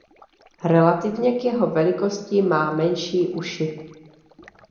Relativně k jeho velikosti má menší uši.